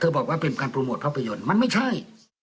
บอกว่าเป็นการโปรโมทภาพยนตร์มันไม่ใช่